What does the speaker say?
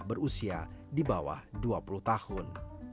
berusia di bawah dua puluh tahun